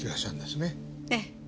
ええ。